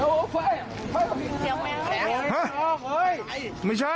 รูปภูมิตายหน่อยใส่แมวได้